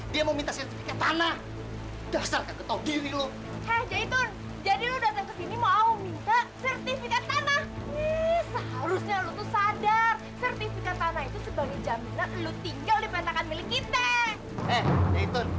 lala nggak boleh sedih